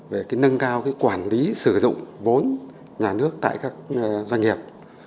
về cái nâng cao cái quản lý sử dụng vốn nhà nước tại các doanh nghiệp